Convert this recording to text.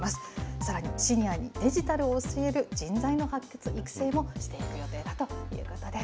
さらにシニアにデジタルを教える、人材の発掘、育成もしていく予定だということです。